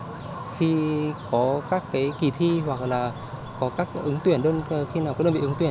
và khi có các kỳ thi hoặc là có các ứng tuyển khi nào có đơn vị ứng tuyển